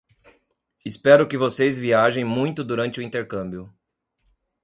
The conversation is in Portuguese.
Espero que vocês viajem muito durante o intercâmbio!